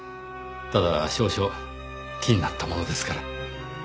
ただ少々気になったものですから。